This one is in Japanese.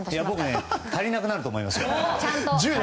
僕ね足りなくなると思います。